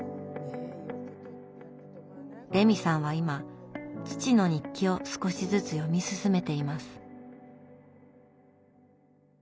レミさんは今父の日記を少しずつ読み進めています。